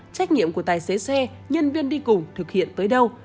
trách nhiệm của tài xế xe nhân viên đi cùng thực hiện tới đâu